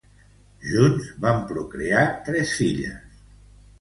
Junts van procrear tres filles.